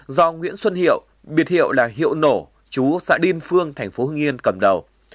do nguyễn xuân hiệu biệt hiệu là hiệu nổ chú xã điên phương thành phố hưng yên cầm đầu